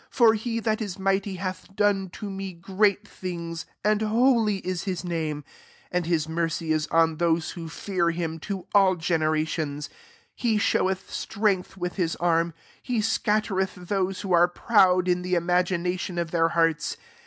49 For Ac thSi is mighty hath done to me jtmI things; and holy is Ms nsimel bOand his mercy is on thooe wM /par Mmy to aU generationo. s\ ffe showeth strength with ^ arm : he scattereth those who aii\ proud in the imagination qftheii hearts.